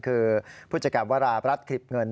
คือผู้จัดการวราบรัฐคลิปเงิน